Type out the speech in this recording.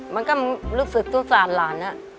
มันก็รู้สึกสงสารหลาน